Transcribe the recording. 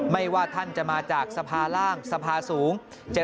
ไม่ว่าท่านจะมาจากสภาร่างสภาสูง